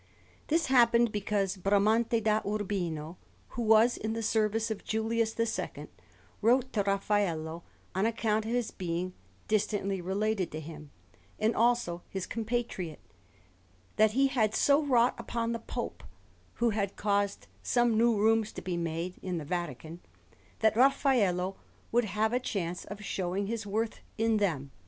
This happened because Bramante da Urbino, who was in the service of Julius II, wrote to Raffaello, on account of his being distantly related to him and also his compatriot, that he had so wrought upon the Pope, who had caused some new rooms to be made (in the Vatican), that Raffaello would have a chance of showing his worth in them.